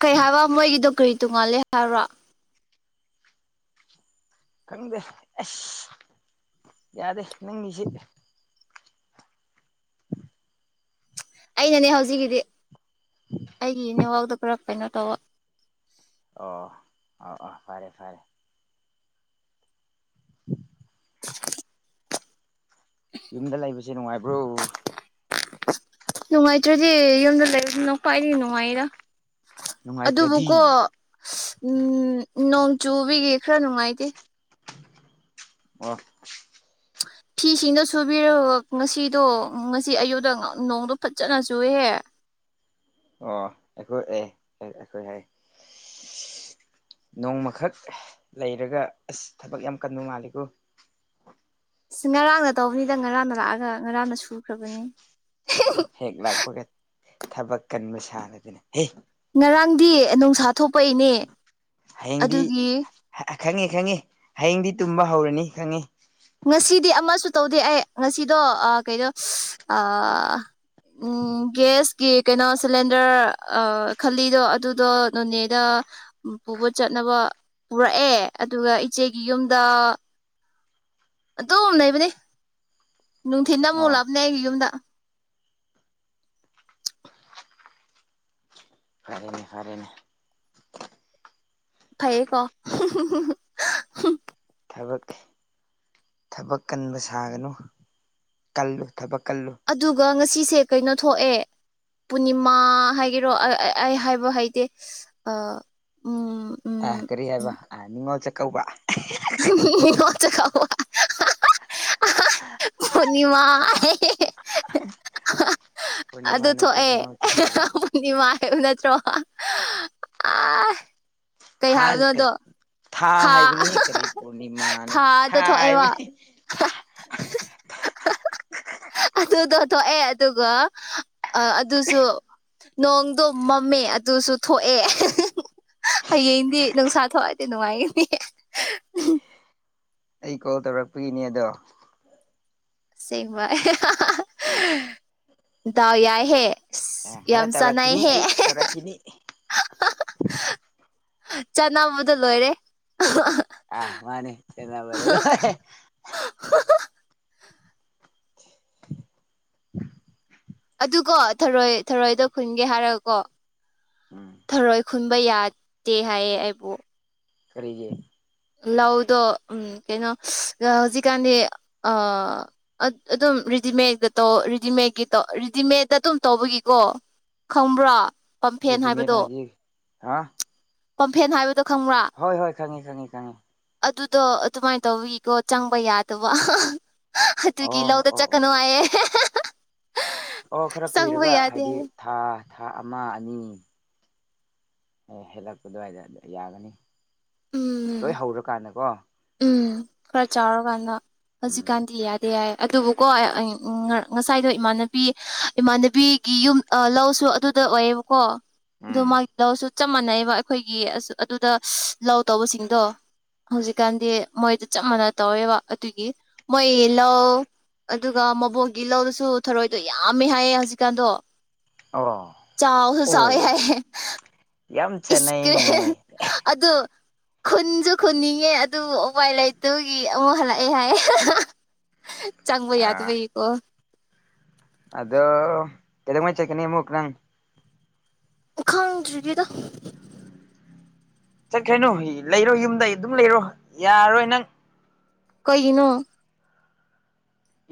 ꯀꯩ ꯍꯥꯏꯕ ꯃꯣꯏꯒꯤꯗꯣ ꯀꯔꯤ ꯇꯣꯡꯉꯥꯜꯂꯦ ꯍꯥꯏꯔꯣ ꯈꯪꯗꯦ ꯑꯁ ꯌꯥꯗꯦ ꯅꯪꯒꯤꯁꯤꯠ ꯑꯩꯅꯅꯦ ꯍꯧꯖꯤꯛꯀꯤꯗꯤ ꯑꯩꯒꯤꯅꯦ ꯋꯥꯥꯎꯗ ꯄꯨꯔ ꯀꯩꯅꯣ ꯇꯧꯕ ꯑꯣ ꯑꯥ ꯑꯥ ꯐꯔꯦ ꯐꯔꯦ ꯌꯨꯝꯗ ꯂꯩꯕꯁꯦ ꯅꯨꯡꯉꯥꯏꯕ꯭ꯔꯣ ꯅꯨꯡꯉꯥꯏꯇ꯭ꯔꯗꯤ ꯌꯨꯝꯗ ꯂꯩꯔꯗꯅ ꯈ꯭ꯋꯥꯏꯗꯤ ꯅꯨꯡꯉꯥꯏꯔꯥ ꯅꯨꯡꯉꯥꯏꯇ꯭ꯔꯗꯤ ꯑꯗꯨꯕꯨꯀꯣ ꯎꯝ ꯅꯣꯡ ꯆꯨꯕꯤꯒꯤ ꯈꯔ ꯅꯨꯡꯉꯥꯏꯇꯦ ꯑꯣ ꯐꯤꯁꯤꯡꯗꯣ ꯁꯨꯕꯤꯔꯒ ꯉꯁꯤꯗꯣ ꯉꯁꯤ ꯑꯌꯨꯗ ꯅꯣꯡꯗꯣ ꯐꯖꯅ ꯆꯨꯏꯍꯦ ꯑꯣ ꯑꯩꯈꯣꯏ ꯑꯦ ꯑꯩꯈꯣꯏꯍꯦ ꯅꯣꯡꯃꯈꯛ ꯂꯩꯔꯒ ꯑꯁ ꯊꯕꯛ ꯌꯥꯝ ꯀꯟꯕ ꯃꯥꯥꯜꯂꯤꯀꯣ ꯎ ꯑ ꯉꯔꯥꯡꯅ ꯇꯧꯕꯅꯤꯗ ꯉꯔꯥꯡꯅ ꯂꯥꯛꯑꯒ ꯉꯔꯥꯡꯅ ꯁꯨꯈ꯭ꯔꯕꯅꯤ ꯍꯦꯛ ꯂꯥꯛꯄꯒ ꯊꯕꯛ ꯀꯟꯕ ꯁꯥꯟꯅꯗꯅ ꯍ ꯉꯔꯥꯡꯗꯤ ꯅꯨꯡꯁꯥ ꯊꯣꯛꯄ ꯏꯅꯦ ꯍꯌꯦꯡꯗꯤ ꯑꯗꯨꯒꯤ ꯈꯪꯉꯤ ꯈꯪꯉꯤ ꯍꯌꯦꯡꯗꯤ ꯇꯨꯝꯕ ꯍꯧꯔꯅꯤ ꯈꯪꯉꯤ ꯉꯁꯤꯗꯤ ꯑꯃꯁꯨ ꯇꯧꯗꯦ ꯑꯩ ꯉꯁꯤꯗꯣ ꯀꯩꯅꯣ ꯎꯝ ꯒ꯭ꯁꯀꯤ ꯀꯩꯅꯣ ꯁꯤꯂꯤꯟꯗꯔ ꯈꯜꯂꯤꯗꯣ ꯑꯗꯨꯗꯣ ꯅꯣꯅꯦꯗ ꯄꯨꯕ ꯆꯠꯅꯕ ꯄꯨꯔꯛꯑꯦ ꯑꯗꯨꯒ ꯏꯆꯦꯒꯤ ꯌꯨꯝꯗ ꯑꯗꯨꯝ ꯂꯩꯕꯅꯦ ꯅꯨꯡꯊꯤꯟꯗ ꯑꯃꯨꯛ ꯑꯣ ꯂꯛꯕꯅꯦ ꯑꯩꯒꯤ ꯌꯨꯝꯗ ꯐꯔꯦꯅꯦ ꯐꯔꯦꯅꯦ ꯐꯩꯌꯦꯀꯣ ꯊꯕꯛ ꯊꯕꯛ ꯀꯟꯕ ꯁꯥꯒꯅꯨ ꯀꯜꯂꯨ ꯊꯕꯛ ꯀꯜꯂꯨ ꯑꯗꯨꯒ ꯉꯁꯤꯁꯦ ꯀꯩꯅꯣ ꯊꯣꯛꯑꯦ ꯄꯨꯔꯅꯤꯃꯥ ꯍꯥꯏꯒꯦꯔꯣ ꯑꯩ ꯍꯥꯏꯕ ꯍꯥꯏꯗꯦ ꯑ ꯑ ꯀꯔꯤ ꯍꯥꯏꯕ ꯅꯤꯡꯉꯣꯜ ꯆꯀꯥꯎꯕ ꯅꯤꯡꯉꯣꯜ ꯆꯀꯧꯕ ꯄꯨꯔꯅꯤꯃꯥ ꯍꯥꯏ ꯄꯨꯔꯅꯤꯃꯥ ꯑꯗꯨ ꯅꯠꯇꯦ ꯅꯤꯡꯉꯣꯜꯁꯦ ꯀꯧꯕ ꯊꯣꯛꯑꯦꯗꯤ ꯋꯥꯕ ꯅꯠꯇ꯭ꯔꯣ ꯑ ꯀꯩ ꯊꯥ ꯑꯦ ꯍꯥꯏꯕꯅꯣꯗꯣ ꯊꯥ ꯍꯥꯏꯕꯅꯤ ꯍꯦꯛ ꯀꯔꯤ ꯄꯨꯔꯅꯤꯃꯥꯅꯣ ꯊꯥ ꯊꯥꯗ ꯊꯣꯛꯑꯦꯕ ꯍꯥꯏꯕꯅꯤꯥ [unintelligible] ꯑꯗꯨꯗꯣ ꯊꯣꯛꯑꯦ ꯑꯗꯨꯒ ꯑꯗꯨꯁꯨ ꯅꯣꯡꯗꯣ ꯃꯝꯃꯦ ꯑꯗꯨꯁꯨ ꯊꯣꯛꯑꯦ ꯍꯌꯦꯡꯗꯤ ꯅꯨꯡꯁꯥ ꯊꯣꯛꯑꯗꯤ ꯅꯨꯡꯉꯥꯏꯅꯤ ꯑꯩ ꯀꯣꯜ ꯇꯧꯔꯛꯄꯒꯤꯅꯦ ꯑꯗꯣ ꯁꯦꯡꯕ ꯗꯥꯎ ꯌꯥꯏ ꯍꯦ ꯈꯔ ꯇꯧꯔꯛꯈꯤꯅꯤ ꯑꯩ ꯇꯧꯔꯛꯈꯤꯅꯤ ꯆꯅꯕꯗ ꯂꯣꯏꯔꯦ ꯑꯥ ꯃꯥꯅꯦꯔꯦꯂꯣ ꯑꯗꯨꯀꯣ ꯊꯔꯣꯏ ꯊꯔꯣꯏꯗ ꯈꯨꯟꯒꯦ ꯍꯥꯏꯔꯒ ꯀꯣ ꯎꯝ ꯊꯔꯣꯏ ꯈꯨꯟꯕ ꯌꯥꯗꯦ ꯍꯥꯏꯌꯦ ꯑꯩꯕꯨ ꯀꯔꯤꯒꯤ ꯂꯧꯗꯣ ꯎ ꯀꯩꯅꯣ ꯍꯧꯖꯤꯛꯀꯥꯟꯗꯤ ꯑꯗꯨꯝ ꯔꯦꯗꯤꯃꯦꯗ ꯇꯧ ꯔꯦꯗꯤꯃꯦꯗꯀꯤ ꯇꯣ ꯔꯦꯗꯤꯃꯦꯗꯇ ꯑꯗꯨꯝ ꯇꯧꯕꯒꯤꯀꯣ ꯈꯪꯕ꯭ꯔꯥ ꯄꯝꯐꯦꯟ ꯔꯦꯖꯤꯃꯦꯠ ꯍꯥꯏꯕꯗꯣ ꯍꯥꯏꯗꯤ ꯍꯥ ꯄꯝꯐꯦꯟ ꯍꯥꯏꯕꯗꯣ ꯈꯪꯕ꯭ꯔꯥ ꯍꯣꯏ ꯍꯣꯏ ꯈꯪꯉꯤ ꯈꯪꯉꯤ ꯈꯪꯉꯤ ꯑꯗꯨꯗꯣ ꯑꯗꯨꯃꯥꯏꯅ ꯇꯧꯋꯤꯀꯣ ꯆꯪꯕ ꯌꯥꯗꯕ ꯇꯨꯒꯤ ꯑꯣ ꯂꯧꯗ ꯑꯣ ꯆꯠꯀꯅꯨ ꯑꯣ ꯍꯥꯏꯌꯦ ꯍꯥꯍꯥꯍꯥ ꯑꯣ ꯈꯔ ꯀꯨꯏꯔꯒ ꯌꯥꯗꯦ ꯍꯥꯏꯕꯗꯤ ꯍꯥꯏꯌꯦ ꯊꯥ ꯊꯥ ꯑꯃ ꯑꯅꯤ ꯑꯦ ꯍꯦꯜꯂꯛꯄ ꯑꯗꯨꯋꯥꯏꯗ ꯑꯗꯨ ꯌꯥꯒꯅꯤ ꯎꯝ ꯂꯣꯏ ꯍꯧꯔꯀꯥꯟꯗꯀꯣ ꯎꯝ ꯈꯔ ꯆꯥꯎꯔꯀꯥꯟꯗ ꯎꯝ ꯍꯧꯖꯤꯛꯀꯥꯟꯗꯤ ꯌꯥꯗꯦ ꯌꯥꯏ ꯑꯗꯨꯕꯨꯀꯣ ꯉꯁꯥꯏꯗꯣ ꯏꯃꯥꯟꯅꯕꯤ ꯏꯃꯥꯟꯅꯕꯤꯒꯤ ꯌꯨꯝ ꯂꯧꯁꯨ ꯑꯗꯨꯗ ꯑꯣꯏꯌꯦꯕꯀꯣ ꯑꯗꯨ ꯎꯝ ꯃꯥꯒꯤ ꯂꯧꯁꯨ ꯆꯞ ꯃꯥꯟꯅꯩꯑꯕ ꯑꯩꯈꯣꯏꯒꯤ ꯑꯗꯨꯗ ꯂꯧ ꯇꯧꯕꯁꯤꯡꯗꯣ ꯍꯧꯖꯤꯛꯀꯥꯟꯗꯤ ꯃꯣꯏꯗ ꯆꯞ ꯃꯥꯟꯅ ꯇꯧꯋꯦꯕ ꯑꯗꯨꯒꯤ ꯃꯣꯏ ꯌꯦꯍ ꯑꯗꯨꯒ ꯃꯕꯣꯛꯒꯤ ꯂꯧꯗꯨꯁꯨ ꯊꯔꯣꯏꯗꯣ ꯌꯥꯝꯃꯦ ꯍꯥꯏꯌꯦ ꯍꯧꯖꯤꯛꯀꯥꯟꯗꯣ ꯑꯣ ꯆꯥꯎꯁꯨ ꯑꯣ ꯆꯥꯎꯋꯦ ꯍꯥꯏ ꯌꯥꯝ ꯏꯁꯀ꯭ꯔꯦ ꯆꯥꯟꯅꯩꯅꯦꯍꯦ ꯑꯗꯨ ꯈꯨꯟꯁꯨ ꯈꯨꯟꯅꯤꯡꯉꯦ ꯑꯗꯨ ꯎꯄꯥꯏ ꯂꯩꯥꯏꯇꯨꯒꯤ ꯑꯃꯨꯛ ꯍꯜꯂꯛꯑꯦ ꯍꯥꯏ ꯆꯪꯕ ꯑꯥ ꯌꯥꯗꯕ ꯏꯀꯣ ꯑꯗꯣ ꯀꯩꯗꯧꯉꯩ ꯆꯀꯤꯅꯤ ꯑꯃꯨ ꯀꯅꯥꯪ ꯈꯪꯗ꯭ꯔꯤꯒꯦꯗ ꯆꯠꯈ꯭ꯔꯅꯣ ꯂꯩꯔꯣ ꯌꯨꯝꯗꯩ ꯑꯗꯨꯝ ꯂꯩꯔꯣ ꯌꯥꯔꯣꯏ ꯅꯪ ꯀꯩꯒꯤꯅꯣ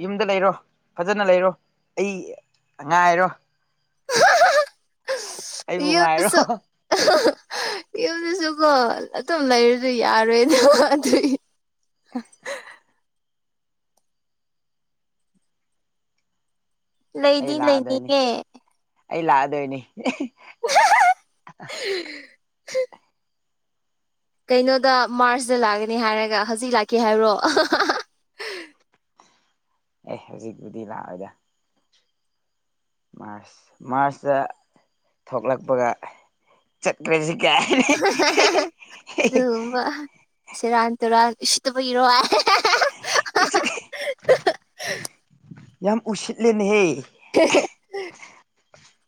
ꯌꯨꯝꯗ ꯂꯩꯔꯣ ꯐꯖꯅ ꯂꯩꯔꯣ ꯑꯩ ꯉꯥꯏꯔꯣ ꯑꯩꯕꯨ ꯉꯥꯏꯔꯣ ꯌꯨꯁꯨꯁꯨ ꯌꯨꯝꯁꯨꯝ ꯀꯣ ꯑꯗꯨꯝ ꯂꯩꯔꯁꯨ ꯌꯥꯔꯣꯏꯅꯦ ꯑꯗꯨꯢ ꯑꯩ ꯂꯩꯗꯤ ꯂꯥꯛꯑꯗꯣꯏꯅꯤ ꯂꯩꯅꯤꯡꯌꯦ ꯑꯩ ꯂꯥꯛꯑꯗꯣꯏꯅꯤ ꯑꯍꯑꯍꯑꯍꯑꯍ ꯀꯩꯅꯣꯗ ꯃꯥꯔꯆꯇ ꯂꯥꯛꯒꯅꯤ ꯍꯥꯏꯔꯒ ꯍꯧꯖꯤꯛ ꯂꯥꯛꯀꯦ ꯍꯥꯏꯕ꯭ꯔꯣ ꯑꯦ ꯍꯧꯖꯤꯛꯕꯨꯨꯗꯤ ꯂꯥꯛꯑꯣꯗ ꯃꯥꯔꯁ ꯃꯥꯔꯁꯇ ꯊꯣꯛꯂꯛꯄꯒ ꯆꯠꯈ꯭ꯔꯦꯁꯤ ꯑꯗꯨꯒꯨꯝꯕ ꯁꯦꯔꯥꯟ ꯇꯨꯔꯥꯟ ꯎꯁꯤꯠꯇꯕꯒꯤꯔꯣ ꯍꯥꯏ ꯌꯥꯝ ꯎꯁꯤꯠꯂꯦꯅꯦꯍꯦ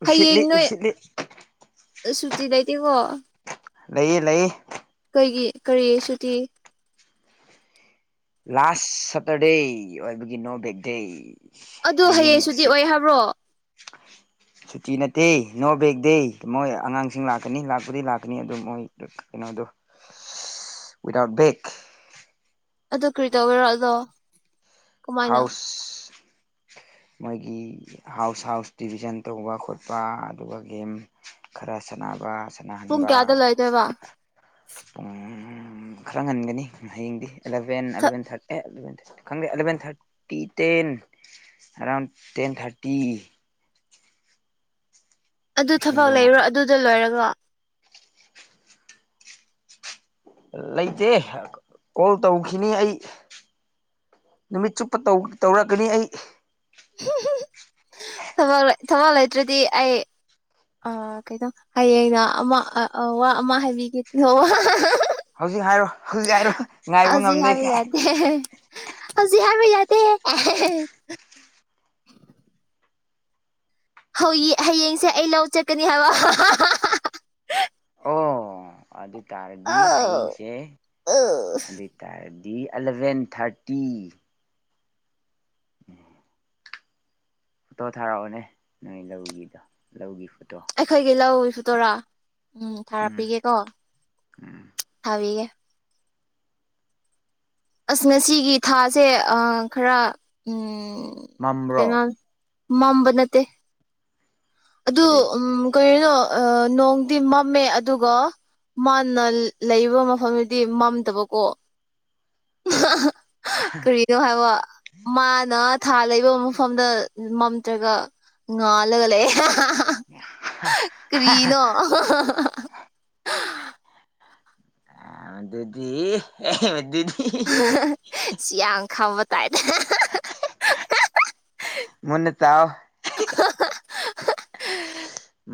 ꯎꯁꯤꯠꯂꯤ ꯍꯌꯦꯡ ꯅꯣꯏ ꯎꯁꯤꯠꯂꯤ ꯁꯨꯇꯤ ꯂꯩꯇꯦꯀꯣ ꯂꯩꯌꯦ ꯂꯩꯍꯦ ꯑꯩꯒꯤ ꯀꯔꯤ ꯁꯨꯇꯤ ꯂꯥꯁ ꯁꯇꯔꯗꯦ ꯑꯣꯏꯕꯒꯤ ꯅꯣ ꯕꯦꯛꯗꯦ ꯑꯗꯨ ꯍꯌꯦꯡꯁꯨꯗꯤ ꯑꯣꯏ ꯍꯥꯏꯕ꯭ꯔꯣ ꯁꯨꯇꯤ ꯅꯠꯇꯦ ꯅꯣ ꯕꯦꯒ ꯗꯦ ꯃꯣꯏ ꯑꯉꯥꯡꯁꯤꯡ ꯂꯥꯛꯀꯅꯤ ꯂꯥꯛꯄꯗꯤ ꯂꯥꯛꯀꯅꯤ ꯑꯗꯨ ꯃꯣꯏ ꯌꯦꯅ ꯑꯗꯨ ꯋꯤꯗꯎꯠ ꯕꯦꯛ ꯑꯗꯨ ꯀꯔꯤ ꯇꯧꯕꯤꯔꯣ ꯑꯗꯣ ꯀꯃꯥꯏꯅ ꯍꯥꯎꯁ ꯃꯣꯏꯒꯤ ꯍꯥꯎꯁ ꯍꯥꯎꯁ ꯗꯤꯚꯤꯖꯟ ꯇꯧꯕ ꯈꯣꯠꯄ ꯑꯗꯨꯒ ꯒꯦꯝ ꯈꯔ ꯁꯥꯟ ꯕ ꯄꯨꯡ ꯁꯥꯟꯅꯍꯟꯕ ꯀꯌꯥꯗ ꯂꯣꯏꯗꯣꯏꯕ ꯄꯨꯡ ꯈꯔ ꯉꯟꯒꯅꯤ ꯍꯌꯦꯡꯗꯤ ꯑꯦꯂꯦꯟ ꯑꯂꯕꯦꯟ ꯊꯔꯇꯤ ꯈꯪ ꯑꯦꯂꯦꯕꯦꯟ ꯊꯔꯇꯤ ꯐꯤ ꯇꯦꯟ ꯑꯦꯔꯥꯎꯟ ꯇꯦꯟ ꯊꯥꯔꯇꯤ ꯑꯗꯨ ꯊꯕꯛ ꯂꯣꯏꯁꯤꯟꯗꯧ ꯂꯩꯔꯣ ꯃꯥꯜꯂꯦ ꯑꯗꯨꯗ ꯂꯣꯏꯔꯒ ꯂꯩꯇꯦ ꯀꯣꯜ ꯇꯧꯈꯤꯅꯤ ꯑꯩ ꯅꯨꯃꯤꯠ ꯆꯨꯞꯄ ꯇꯧꯔꯛꯀꯅꯤ ꯑꯩ ꯊ ꯊꯕꯥꯛ ꯂꯩꯇ꯭ꯔꯗꯤ ꯑꯩ ꯑꯥ ꯀꯩꯅꯣ ꯍꯌꯦꯡꯩꯅ ꯑꯃ ꯋꯥ ꯑꯃ ꯍꯥꯏꯕꯤꯒꯦꯣ ꯍꯧꯖꯤꯛ ꯍꯥꯏꯔꯣ ꯍꯧꯖꯤꯛ ꯍꯥꯏꯔꯣ ꯉꯥꯏꯕ ꯍꯧꯖꯤꯛ ꯉꯝꯗꯦ ꯍꯥꯏꯕ ꯀꯥꯏ ꯌꯥꯗꯦ ꯍꯧꯖꯤꯛ ꯍꯥꯏꯔꯕ ꯌꯥꯗ ꯍ ꯍꯌꯦꯡꯁꯦ ꯑꯩ ꯂꯧ ꯆꯠꯀꯅꯤ ꯍꯥꯏꯕ ꯑꯣ ꯑꯗꯨ ꯇꯔꯗꯤ ꯍꯌꯦꯡꯁꯦ ꯑꯗꯨ ꯑꯣꯏꯇꯥꯔꯗꯤ ꯗꯤ ꯑꯦꯂꯚꯦꯟ ꯊꯥꯔꯇꯤ ꯎꯝ ꯐꯣꯇꯣ ꯊꯥꯔꯛꯑꯣꯅꯦ ꯅꯣꯏ ꯂꯧꯒꯤꯗꯣ ꯂꯧꯒꯤ ꯐꯣꯇꯣ ꯑꯩꯈꯣꯏꯒꯤ ꯂꯧ ꯐꯨꯇꯣꯔꯥ ꯎꯝ ꯊꯥꯔꯛꯄꯤꯒꯦꯀꯣ ꯎꯝ ꯊꯥꯕꯤꯒꯦ ꯑꯁ ꯉꯁꯤꯒꯤ ꯊꯥꯁꯦ ꯈꯔ ꯎ ꯃꯝ꯭ꯔꯣ ꯃꯥꯝꯝꯕꯅꯠꯇꯦ ꯑꯗꯨ ꯀꯔꯤ ꯎ ꯀꯩꯅꯣ ꯅꯣꯡꯗꯤ ꯃꯝꯃꯦ ꯑꯗꯨꯒ ꯃꯥꯅ ꯂꯩꯕ ꯃꯐꯝꯗꯨꯗꯤ ꯃꯝꯗꯕꯀꯣ [unintelligible] ꯀꯔꯤꯅꯣ ꯍꯥꯏꯕ ꯃꯥꯅ ꯊꯥ ꯂꯩꯕ ꯃꯐꯝꯗ ꯃꯝꯇ꯭ꯔꯒ ꯉꯥꯜꯂꯒ ꯂꯩꯦ ꯀꯔꯤꯅꯣ ꯑ ꯃꯗꯤ ꯃꯗꯤ ꯁꯤꯌꯥ ꯈꯕ ꯇꯥꯏꯅꯦ ꯃꯟꯅ ꯆꯑꯣ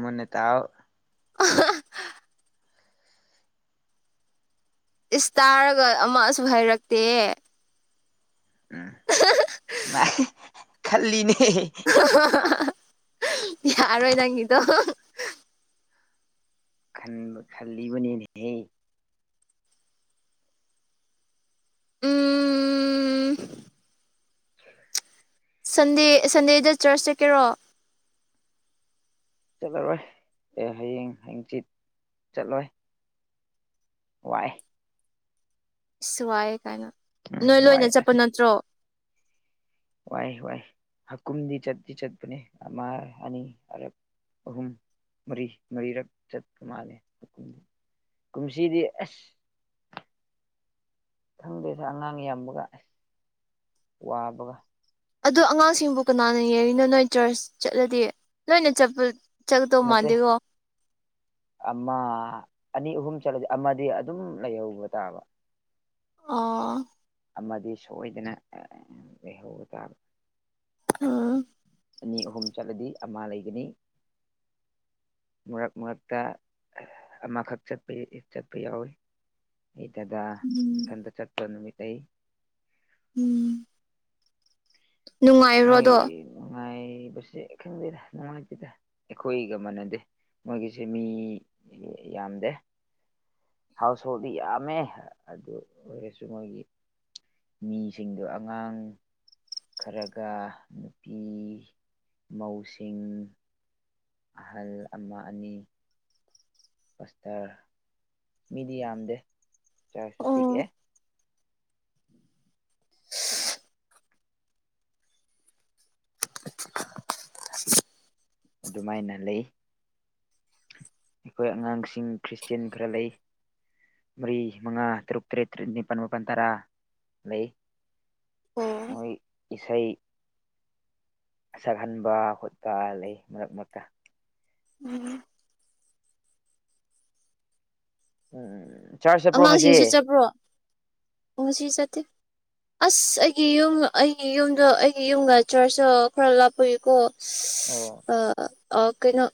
ꯃꯅꯦ ꯇꯥꯎ [unintelligible] ꯏꯁꯇꯥꯥꯔꯒ ꯑꯃꯛꯁꯨ ꯍꯥꯏꯔꯛꯇꯦ ꯎꯝ ꯃꯥꯥꯏ ꯈꯜꯂꯤꯅꯤ ꯌꯥꯔ ꯑꯣꯏ ꯅꯪꯉꯅꯤꯗꯣ ꯈꯟꯕ ꯈꯜꯂꯤꯕꯅꯤꯅꯦꯍꯦ ꯎꯝ ꯎꯝ ꯁꯟꯗꯦ ꯁꯟꯗꯦꯗ ꯆꯔꯆ ꯆꯠꯀꯦꯔꯣ ꯆꯠꯂꯔꯣꯏ ꯑꯦ ꯍꯌꯦꯡ ꯍꯡꯆꯤꯠ ꯆꯠꯂꯣꯏ ꯋꯥꯏ ꯑꯁꯨ ꯋꯥꯏꯌꯦ ꯀꯥꯏꯅ ꯎꯝ ꯅꯣꯏ ꯋꯥꯏ ꯂꯣꯏꯅ ꯑꯁ ꯆꯠꯄ ꯅꯠꯇ꯭ꯔꯣ ꯋꯥꯏ ꯋꯥꯏ ꯍꯀꯨꯝꯗꯤ ꯆꯠꯗꯤ ꯆꯠꯄꯅꯦ ꯑꯃ ꯑꯅꯤ ꯑ ꯑꯍꯨꯝ ꯃꯔꯤ ꯃꯔꯤꯔꯛ ꯆꯠꯄ ꯃꯥꯜꯂꯦ ꯀꯨꯝꯁꯤꯗꯤ ꯑꯁ ꯈꯪꯗꯦꯁꯦ ꯑꯉꯥꯡ ꯌꯥꯝꯕꯒ ꯑꯁ ꯋꯥꯕꯒ ꯑꯗ ꯑꯉꯥꯡꯁꯤꯡꯕꯨ ꯀꯅꯥꯅ ꯌꯦꯔꯤꯅꯣ ꯅꯣꯏ ꯆꯔꯆ ꯆꯠꯂꯗꯤ ꯂꯣꯏꯅ ꯆꯠꯄ ꯆꯠꯀꯗꯧ ꯃꯠꯇꯦ ꯃꯥꯟꯗꯦꯀꯣ ꯑꯃ ꯑꯅꯤ ꯑꯍꯨꯝ ꯆꯠꯂꯗꯤ ꯑꯃꯗꯤ ꯑꯗꯨꯝ ꯂꯩꯍꯧꯕ ꯇꯥꯕ ꯑ ꯑꯃꯗꯤ ꯁꯣꯏꯗꯅ ꯂꯩꯍꯧꯕ ꯇꯥꯕ ꯑꯝ ꯑꯅꯤ ꯑꯍꯨꯝ ꯆꯠꯂꯗꯤ ꯑꯃ ꯂꯩꯒꯅꯤ ꯃꯔꯛ ꯃꯔꯛꯇ ꯑꯃꯈꯛ ꯆꯠꯄ ꯆꯠꯄ ꯌꯥꯎꯏꯤ ꯑꯩ ꯗꯗꯥ ꯏꯊꯟꯗ ꯆꯠꯄ ꯅꯨꯃꯤꯠ ꯑꯩ ꯎꯝ ꯃꯣꯏ ꯅꯨꯡꯉꯥꯏꯈ꯭ꯔꯣꯗꯣ ꯅꯨꯡꯉꯥꯏꯕꯁꯦ ꯈꯪꯗꯦꯗ ꯅꯨꯡꯉꯥꯏꯇꯦꯗ ꯑꯩꯈꯣꯏꯒ ꯃꯥꯟꯅꯗꯦ ꯃꯣꯏꯒꯤꯁꯦ ꯃꯤ ꯌꯥꯝꯗꯦ ꯍꯥꯎꯁ ꯍꯣꯜꯗꯤ ꯌꯥꯝꯃꯦ ꯑꯗꯨ ꯑꯣꯏꯔꯁꯨ ꯃꯣꯏꯒꯤ ꯃꯤꯁꯤꯡꯗꯣ ꯑꯉꯥꯡ ꯈꯔ ꯀ ꯅꯨꯄꯤ ꯃꯧꯁꯤꯡ ꯑꯍꯜ ꯑꯃ ꯑꯅꯤ ꯄꯁꯇꯔ ꯃꯤꯗꯤ ꯌꯥꯝꯗꯦ ꯆꯥꯔꯖꯁꯨ ꯑꯣ ꯄꯤꯛꯑꯦ ꯑꯗꯨꯃꯥꯏꯅ ꯂꯩ ꯑꯩꯈꯣꯏ ꯑꯉꯥꯡꯁꯤꯡ ꯈ꯭ꯔꯤꯁꯇꯦꯟ ꯈꯔ ꯂꯩ ꯃꯔꯤ ꯃꯉꯥ ꯇꯔꯨꯛ ꯇꯔꯦꯠꯠ ꯅꯤꯄꯥꯜ ꯃꯥꯄꯜ ꯇꯔꯥ ꯂꯩ ꯑꯣ ꯃꯣꯏ ꯏꯁꯩ ꯁꯛꯍꯟꯕ ꯈꯣꯠꯄ ꯂꯩ ꯃꯔꯛ ꯃꯔꯛꯇ ꯎꯝ ꯎꯝ ꯆꯥꯔꯖ ꯆꯠꯄ꯭ꯔꯣ ꯉꯁꯤ ꯑꯉꯥꯡꯁꯤꯡꯁꯨ ꯆꯠꯄ꯭ꯔꯣ ꯉꯁꯤ ꯆꯠꯇꯦ ꯑꯁ ꯑꯩꯒꯤ ꯌꯨꯝ ꯑꯩꯒꯤ ꯌꯨꯝꯗꯣ ꯑꯩꯒꯤ ꯌꯨꯝꯒ ꯆꯔꯆꯇ ꯈꯔ ꯂꯥꯞꯄꯏꯨꯀꯣ ꯑꯣ ꯑ ꯑꯣ ꯀꯩꯅꯣ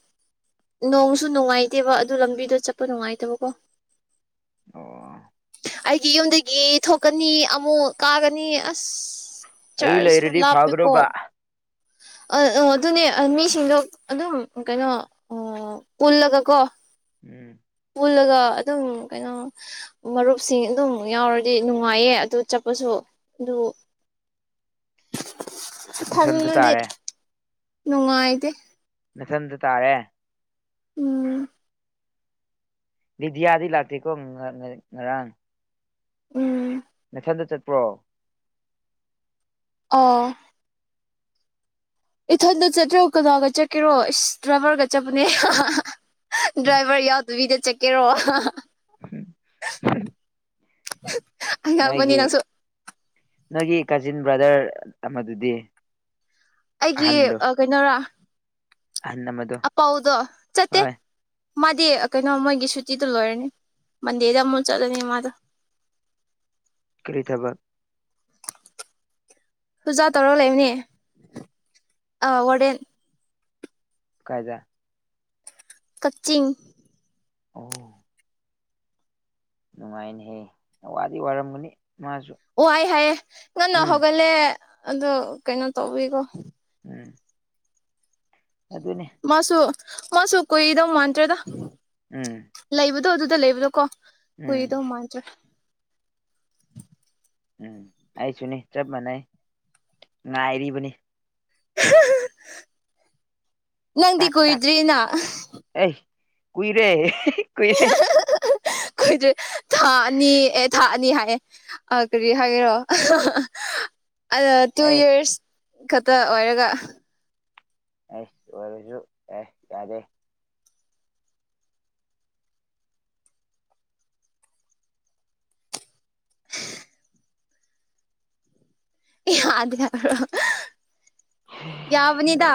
ꯅꯣꯡꯁꯨ ꯅꯨꯡꯉꯥꯏꯇꯦꯕ ꯑꯗꯨ ꯂꯝꯕꯤꯗ ꯆꯠꯄ ꯅꯨꯡꯉꯥꯏꯇꯕꯀꯣ ꯑꯣ ꯑꯩꯒꯤ ꯌꯨꯝꯗꯒꯤ ꯊꯣꯛꯀꯅꯤ ꯑꯃꯨꯛ ꯀꯥꯒꯅꯤ ꯑꯁ ꯑꯩ ꯆꯔꯁ ꯂꯩꯔꯗꯤ ꯂꯕꯄꯤ ꯀꯣ ꯐꯒꯗꯧꯕ ꯑ ꯑ ꯑꯗꯨꯅꯦ ꯃꯤꯁꯤꯡꯗꯣ ꯑꯗꯨꯝ ꯀꯩꯅꯣ ꯑꯣ ꯀꯜꯂꯒ ꯀꯣ ꯎꯝ ꯄꯨꯜꯂꯒ ꯑꯗꯨꯝ ꯀꯩꯅꯣ ꯃꯔꯨꯞꯁꯤꯡ ꯑꯗꯨꯝ ꯌꯥꯎꯔꯗꯤ ꯅꯨꯡꯉꯥꯏꯌꯦ ꯑꯗꯨ ꯆꯠꯄꯁꯨ ꯑꯗꯨ [unintelligible] ꯊꯟꯗ ꯇꯥꯔꯦ ꯅꯨꯡꯉꯥꯏꯗꯤꯦ ꯅꯊꯟꯗ ꯇꯥꯔꯦ ꯎꯝ ꯕꯤꯗꯤꯌꯥꯗꯤ ꯂꯥꯛꯇꯦꯀꯣꯥꯡ ꯉꯔꯥꯡ ꯎꯝ ꯃꯊꯟꯗ ꯆꯠꯄ꯭ꯔꯣ ꯑ ꯏꯊꯟꯇ ꯆꯠꯇ꯭ꯔꯣ ꯀꯅꯥꯒ ꯆꯠꯀꯦꯔꯣ ꯏꯁ ꯗ꯭ꯔꯥꯏꯚꯔꯒ ꯆꯠꯄꯅꯦ ꯗ꯭ꯔꯥꯏꯚꯔ ꯌꯥꯎꯗꯕꯤꯗ ꯆꯠꯀꯦꯔꯣ ꯝ [unintelligible] ꯑꯕꯅꯤ ꯅꯁꯨ ꯅꯣꯏꯒꯤ ꯀꯥꯖꯤꯟ ꯕ꯭ꯔꯗꯔ ꯑꯃꯗꯨꯗꯤ ꯑꯩꯒꯤ ꯑꯍꯟꯗꯣ ꯀꯩꯅꯣꯔꯥ ꯑꯍꯟ ꯑꯃꯗꯣ ꯑꯄꯥꯎꯗꯣ ꯆꯠꯇꯦ ꯍꯣꯏ ꯃꯥꯗꯤ ꯀꯩꯅꯣ ꯃꯣꯏꯒꯤ ꯁꯨꯇꯤꯗꯣ ꯂꯣꯏꯔꯅꯤ ꯃꯟꯗꯦꯗ ꯑꯃꯨꯛ ꯆꯠꯂꯅꯤ ꯃꯥꯗꯣ ꯀꯔꯤꯗꯥꯕꯥ ꯄꯨꯖꯥ ꯇꯧꯔꯒ ꯂꯩꯕꯅꯦ ꯑꯥ ꯋꯥꯔꯗꯦꯟ ꯀꯥꯏꯗ ꯀꯛꯆꯤꯡ ꯎ ꯅꯨꯡꯉꯥꯏꯅꯤꯍꯦ ꯋꯥꯗꯤ ꯋꯥꯔꯝꯒꯅꯤ ꯃꯥꯁꯨ ꯋꯥꯏ ꯍꯥꯏꯌꯦꯦ ꯉꯟꯅ ꯎꯝ ꯍꯧꯒꯜꯂꯦ ꯑꯗꯨꯣ ꯀꯩꯅꯣ ꯇꯧꯋꯀꯣ ꯎꯝ ꯑꯗꯨꯅꯤ ꯃꯥꯁꯨ ꯃꯥꯁꯨ ꯀꯨꯏꯗꯧ ꯃꯥꯟꯇ꯭ꯔꯦꯗ ꯎꯝ ꯂꯩꯕꯗꯣ ꯑꯗꯨ ꯗ ꯂꯩꯕ ꯂ ꯀꯣ ꯎꯝ ꯀꯏꯗ ꯃꯟ ꯆ ꯎꯝ ꯑꯩꯁꯨꯅꯤ ꯆꯞ ꯃꯥꯟꯅꯩ ꯉꯥꯏꯔꯤꯕꯅꯤ ꯅꯪꯗꯤ ꯇꯥꯛ ꯇꯥꯛ ꯀꯨꯏꯗ꯭ꯔꯤꯑꯅ ꯑꯩ ꯀꯨꯏꯔꯦ ꯀꯨꯏꯔꯦ ꯈꯣꯏꯗꯦ ꯊꯥ ꯑꯅꯤ ꯑꯦ ꯊꯥ ꯑꯅꯤ ꯍꯥꯏꯌꯦ ꯀꯔꯤ ꯍꯥꯏꯒꯦꯔꯣ [unintelligible] ꯑ ꯇꯨ ꯑꯦ ꯌꯔꯁ ꯈꯛꯇ ꯑꯣꯏꯔꯒ ꯑꯦꯁ ꯑꯣꯏꯔꯁꯨ ꯑꯦꯁ ꯌꯥꯗꯦ [unintelligible] ꯦ ꯌꯥ ꯌꯥꯕꯅꯤꯗ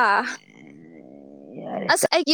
ꯌꯥꯔꯦ ꯇ ꯑꯁ ꯑꯩꯒꯤ